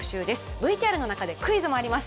ＶＴＲの中でクイズもあります